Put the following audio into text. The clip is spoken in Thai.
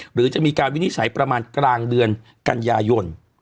หรือจะมีการวินิจฉัยประมาณกลางเดือนกันยายน